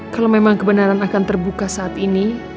kalau memang kebenaran akan terbuka saat ini